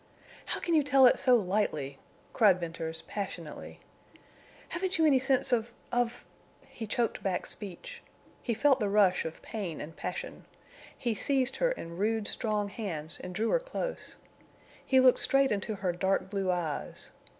"How can you tell it so lightly?" cried Venters, passionately. "Haven't you any sense of—of—" He choked back speech. He felt the rush of pain and passion. He seized her in rude, strong hands and drew her close. He looked straight into her dark blue eyes.